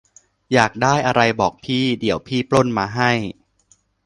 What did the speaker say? อยากได้อะไรบอกพี่ เดี๋ยวพี่ปล้นมาให้